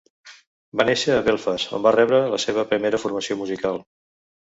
Va néixer en Belfast, on va rebre la seva primera formació musical.